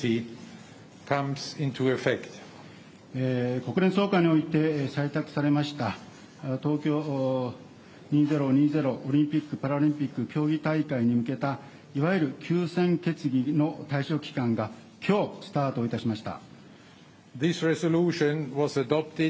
国連総会において採択されました、東京２０２０オリンピック・パラリンピック競技大会に向けた、いわゆる休戦決議の対象期間が、きょう、スタートいたしました。